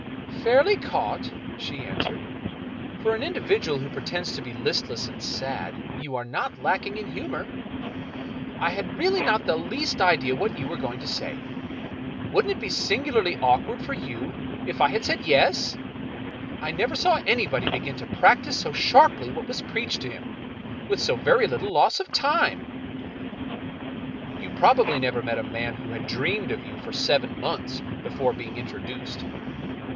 " Fairly caught," she answered. " For an individual who pretends to be listless and sad you are not lacking in humor. I had really not the least idea what you were going to say. Wouldn't it be singularly awkward for you if I had said ' Yes '? I never saw anybody begin to practice so sharply Vvdiat was preached to him — with so very little loss of time 1 "" You probably never met a man who had dreamed of you for seven months before being introduced."